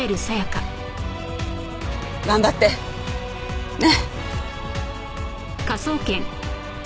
頑張って。ね！